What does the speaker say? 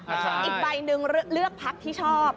อีกใบหนึ่งเลือกพักที่ชอบ